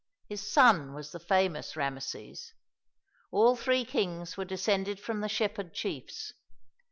His son was the famous Rameses. All three kings were descended from the Shepherd Chiefs.